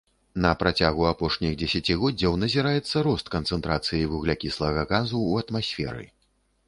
На працягу апошніх дзесяцігоддзяў назіраецца рост канцэнтрацыі вуглякіслага газу ў атмасферы.